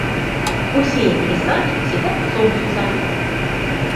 У Сени и Сани в сетях сом с усами.